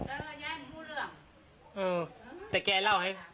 เออยายไม่พูดเรื่อง